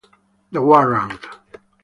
The Warrant